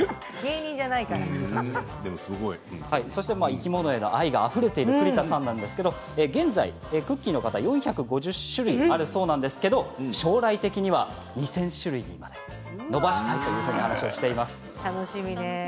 生き物への愛があふれている栗田さんですが現在クッキーの型は４５０種類あるそうですが将来的には２０００種類まで伸ばしたいということです。